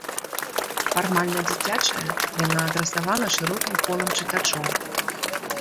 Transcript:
Фармальна дзіцячая, яна адрасавана шырокім колам чытачоў.